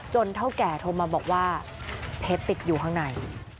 เท่าแก่โทรมาบอกว่าเพชรติดอยู่ข้างใน